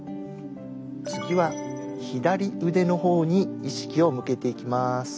次は左腕の方に意識を向けていきます。